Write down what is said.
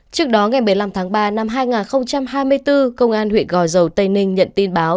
trước đó ngày một mươi năm tháng ba năm hai nghìn hai mươi bốn công an huyện gò dầu tây ninh nhận tin báo